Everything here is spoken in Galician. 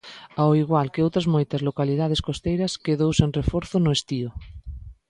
Ao igual que outras moitas localidades costeiras, quedou sen reforzo no estío.